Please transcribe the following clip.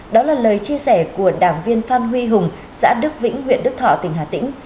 đó là lời chia sẻ của đảng viên phan huy hùng xã đức vĩnh huyện đức thọ tỉnh hà tĩnh